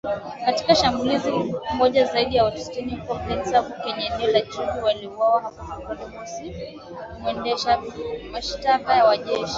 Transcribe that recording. Katika shambulizi moja, zaidi ya watu sitini huko Plaine Savo kwenye eneo la Djubu waliuawa hapo Februari mosi mwendesha mashtaka wa kijeshi